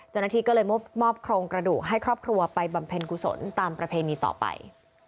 เจ้าหน้าที่ก็เลยมอบโครงกระดูกให้ครอบครัวไปบำเพ็ญกุศลตามประเพณีต่อไป